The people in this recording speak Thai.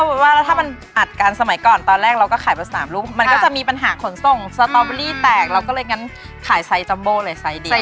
เป็นว่าแล้วถ้ามันอัดกันสมัยก่อนตอนแรกเราก็ขายไป๓ลูกมันก็จะมีปัญหาขนส่งสตอเบอรี่แตกเราก็เลยงั้นขายไซส์จัมโบ้เลยไซส์ดี